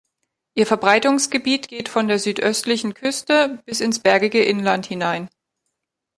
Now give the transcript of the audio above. Ihr Verbreitungsgebiet geht von der südöstlichen Küste bis ins bergige Inland hinein.